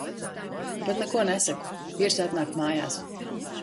Bet neko nesaku. Vīrs atnāk mājās.